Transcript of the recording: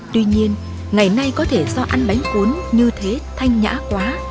tuy nhiên ngày nay có thể do ăn bánh cuốn như thế thanh nhã quá